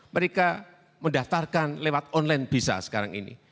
mereka mendaftarkan lewat online bisa sekarang ini